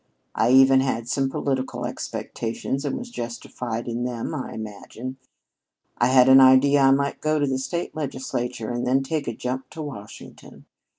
I even had some political expectations, and was justified in them, I imagine. I had an idea I might go to the state legislature and then take a jump to Washington.